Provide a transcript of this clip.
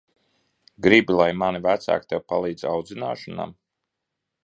Gribi, lai mani vecāki tev palīdz audzināšanā?